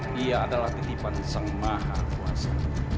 dia adalah titipan sang maha kuasa